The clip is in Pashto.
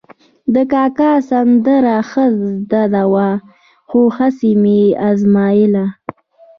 د کاکا سندره ښه زده وه، خو هسې مې ازمایله.